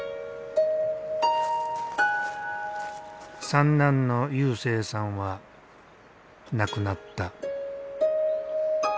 三男の勇征さんは亡くなった。